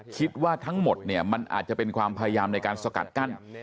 คิดว่าทั้งหมดเนี่ยมันอาจจะเป็นความพยายามในการสกัดกั้น